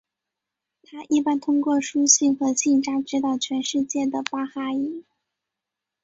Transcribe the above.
它一般通过书信和信札指导全世界的巴哈伊。